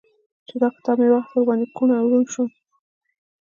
چې دا کتاب مې اخيست؛ ور باندې کوڼ او ړونډ شوم.